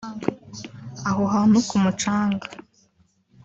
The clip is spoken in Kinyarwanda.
Aho hantu ku mucanga